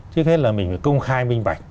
trước hết là mình phải công khai minh bạch